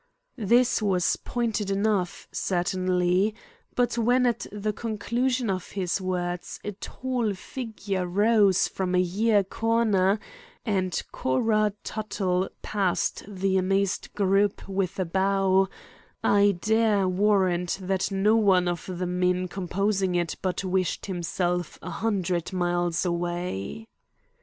This was pointed enough, certainly, but when at the conclusion of his words a tall figure rose from a near corner and Cora Tuttle passed the amazed group with a bow, I dare warrant that not one of the men composing it but wished himself a hundred miles away.